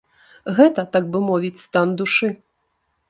Гэта, так бы мовіць, стан душы.